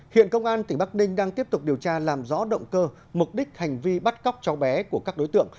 hiện công an tỉnh bắc ninh đang tiếp tục điều tra làm rõ động cơ mục đích hành vi bắt cóc cháu bé của các đối tượng